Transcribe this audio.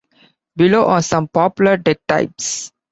Below are some popular deck types.